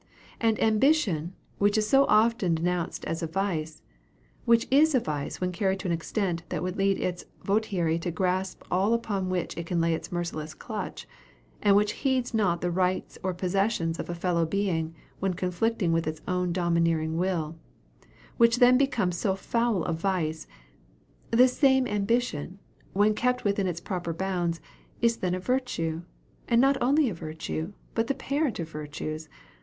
And Ambition, which is so often denounced as a vice which is a vice when carried to an extent that would lead its votary to grasp all upon which it can lay its merciless clutch, and which heeds not the rights or possessions of a fellow being when conflicting with its own domineering will, which then becomes so foul a vice this same ambition, when kept within its proper bounds, is then a virtue; and not only a virtue, but the parent of virtues.